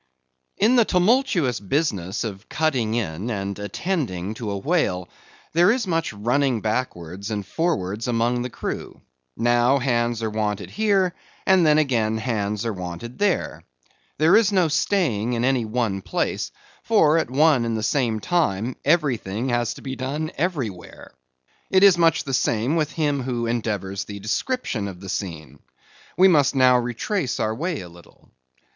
In the tumultuous business of cutting in and attending to a whale, there is much running backwards and forwards among the crew. Now hands are wanted here, and then again hands are wanted there. There is no staying in any one place; for at one and the same time everything has to be done everywhere. It is much the same with him who endeavors the description of the scene. We must now retrace our way a little.